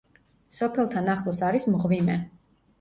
სოფელთან ახლოს არის მღვიმე.